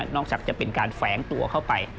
นอกจากจะเป็นการแฝงตัวเข้าไป